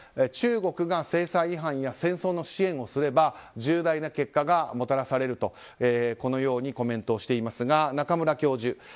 中国が制裁違反や戦争の支援をすれば重大な結果がもたらされるとコメントしていますが中村教授。